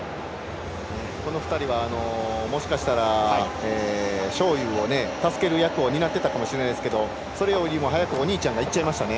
この２人は、もしかしたら章勇を助ける役を担っていたかもしれないですけどそれよりも早くお兄ちゃんがいっちゃいましたね。